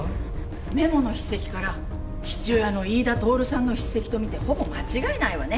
メモの筆跡から父親の飯田透さんの筆跡とみてほぼ間違いないわね。